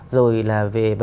rồi là về vấn đề về ngôn ngữ